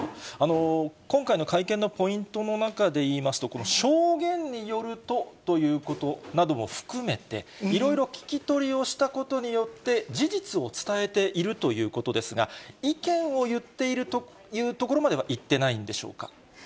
今回の会見のポイントの中でいいますと、証言によるとということなども含めて、いろいろ聞き取りをしたことによって、事実を伝えているということですが、意見を言っているというところまではいってないんでしょうか。